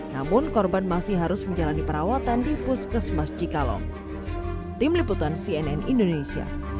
namun korban masih harus menjalani perawatan di puskes mas jikalong